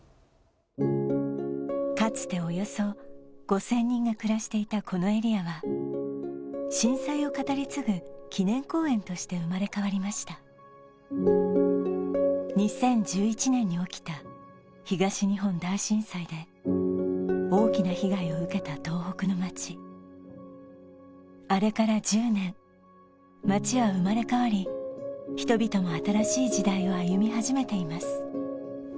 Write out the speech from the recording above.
かつておよそ５０００人が暮らしていたこのエリアは震災を語り継ぐ祈念公園として生まれ変わりました２０１１年に起きた東日本大震災で大きな被害を受けた東北の町あれから１０年町は生まれ変わり人々も新しい時代を歩み始めています